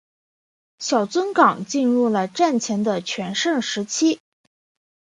小樽港进入了战前的全盛时期。